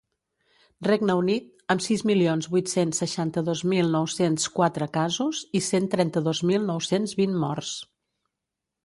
Regne Unit, amb sis milions vuit-cents seixanta-dos mil nou-cents quatre casos i cent trenta-dos mil nou-cents vint morts.